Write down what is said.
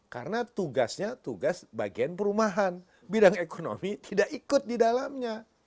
karena tugasnya tugas bagian perumahan bidang ekonomi tidak ikut di dalamnya